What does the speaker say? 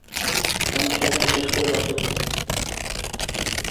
আমি শপিং শেষ করে বাসায় ফিরবো।